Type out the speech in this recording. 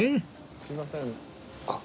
すいませんあっ